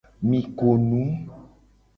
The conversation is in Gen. Mi ko nu.